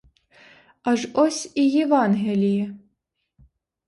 Аж ось і євангеліє.